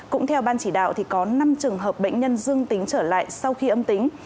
cũng theo ban chỉ đạo thì có năm trường hợp bệnh nhân dương tính trở lại sau khi âm tính